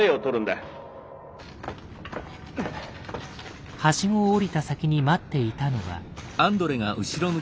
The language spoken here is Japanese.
ハシゴを降りた先に待っていたのは。